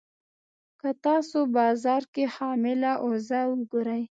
که تاسو بازار کې حامله اوزه وګورئ.